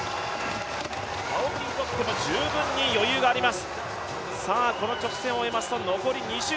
青木にとっても十分に余裕があります。